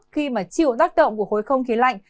khi mà chịu tác động của khối không khí lạnh